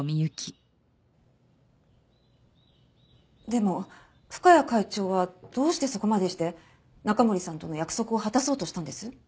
でも深谷会長はどうしてそこまでして中森さんとの約束を果たそうとしたんです？